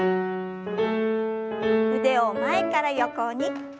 腕を前から横に。